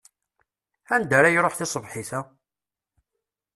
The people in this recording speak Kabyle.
Anda ara iṛuḥ tasebḥit-a?